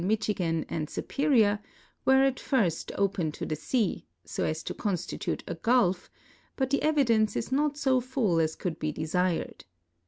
Michigan, and Superior, were at first open to the sea, so as to constitute a gulf, but the evidence is not .so full Jis could l>e de sired.